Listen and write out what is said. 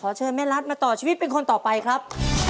เชิญแม่รัฐมาต่อชีวิตเป็นคนต่อไปครับ